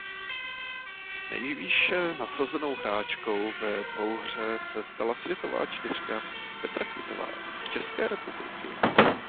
Nejvýše nasazenou hráčkou ve dvouhře se stala světová čtyřka Petra Kvitová z České republiky.